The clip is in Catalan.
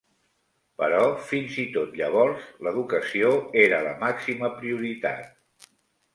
Però fins i tot llavors l'educació era la màxima prioritat.